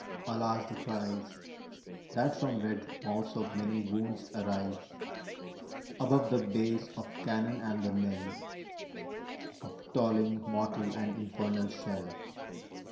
Alas the cries That from red mouths of many wounds arise Above the bass of cannon and the knell Of tolling mortal and infernal shell